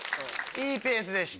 いいペースでした。